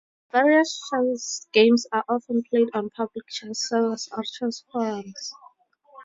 Variant Chess games are often played on public chess servers or chess forums.